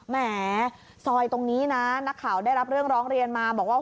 แหมซอยตรงนี้นะนักข่าวได้รับเรื่องร้องเรียนมาบอกว่า